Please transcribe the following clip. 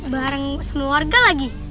bareng sama warga lagi